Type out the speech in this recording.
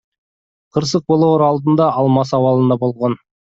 Кырсык болоор алдында ал мас абалында болгон.